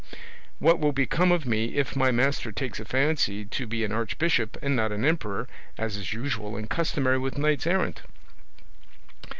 What will become of me if my master takes a fancy to be an archbishop and not an emperor, as is usual and customary with knights errant?"